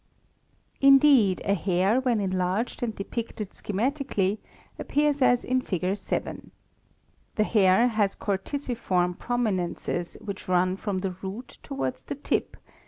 | Indeed a hair when enlarged and depicted schematically appears as in Fig. 7. The hair has corticiform prominences which run from the root towards the tip (Mig.